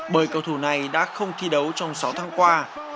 bởi cầu thủ này đã không thi đấu trong sáu tháng qua